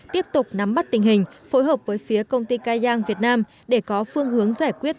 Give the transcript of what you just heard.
tiếp tục nắm bắt tình hình phối hợp với phía công ty cai giang việt nam để có phương hướng giải quyết